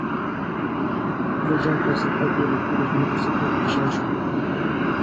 د جنګ پر سرحد یې له ټولو ژمنو څخه پر شا شوه.